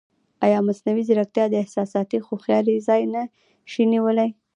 ایا مصنوعي ځیرکتیا د احساساتي هوښیارۍ ځای نه شي نیولی؟